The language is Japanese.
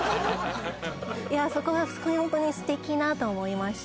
いやそこがホントに素敵なと思いました